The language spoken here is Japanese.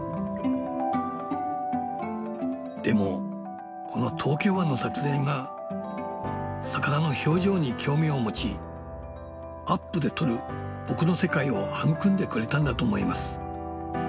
でもこの東京湾の撮影が魚の表情に興味を持ちアップで撮る僕の世界を育んでくれたんだと思います。